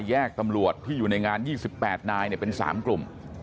แยกตำรวจที่อยู่ในงาน๒๘นายเป็น๓กลุ่ม